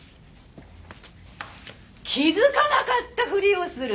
「気付かなかったふりをする」